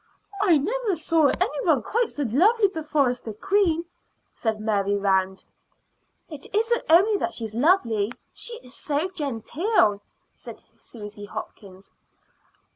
"I never saw any one quite so lovely before as the queen," said Mary Rand. "It isn't only that she's lovely, she is so genteel," said Susy Hopkins.